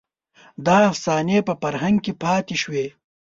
دا افسانې په فرهنګ کې پاتې شوې.